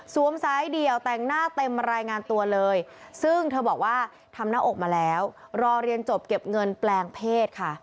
ซ้ายเดี่ยวแต่งหน้าเต็มรายงานตัวเลยซึ่งเธอบอกว่าทำหน้าอกมาแล้วรอเรียนจบเก็บเงินแปลงเพศค่ะ